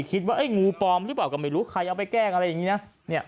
คิดว่างูปลอมหรือเปล่าก็ไม่รู้ใครเอาไปแกล้งอะไรอย่างนี้นะ